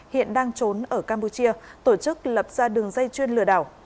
hiện đang trốn ở campuchia tổ chức lập ra đường dây chuyên lừa đảo